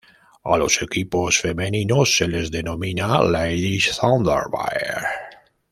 A los equipos femeninos se les denomina "Lady Thunderbirds".